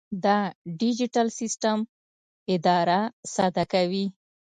دا ډیجیټل سیسټم اداره ساده کوي.